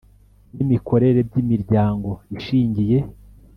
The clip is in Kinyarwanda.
n imikorere by imiryango ishingiye